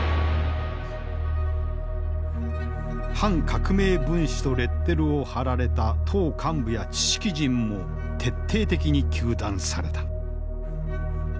反革命分子とレッテルを貼られた党幹部や知識人も徹底的に糾弾された。